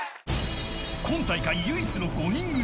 今大会唯一の５人組。